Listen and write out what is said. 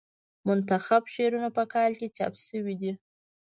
منتخب شعرونه په کال کې چاپ شوې ده.